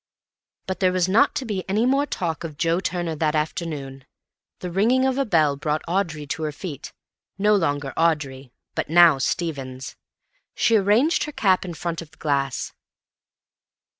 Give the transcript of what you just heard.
But there was not to be any more talk of Joe Turner that afternoon. The ringing of a bell brought Audrey to her feet—no longer Audrey, but now Stevens. She arranged her cap in front of the glass.